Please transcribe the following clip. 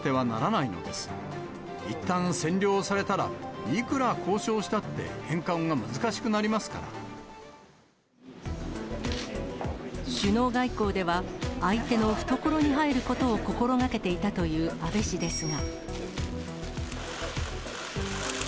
いったん占領されたら、いくら交渉したって、首脳外交では、相手の懐に入ることを心がけていたという安倍氏ですが。